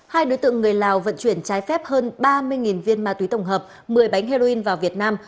hai đối tượng người lào vận chuyển trái phép hơn ba mươi viên ma túy tổng hợp một mươi bánh heroin vào việt nam